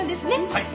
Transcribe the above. はい。